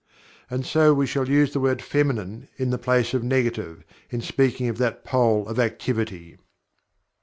And so we shall use the word "Feminine" in the place of "Negative" in speaking of that pole of activity.